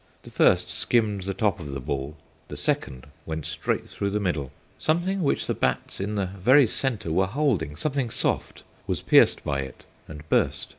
The first skimmed the top of the ball, the second went straight through the middle. Something which the bats in the very centre were holding something soft was pierced by it, and burst.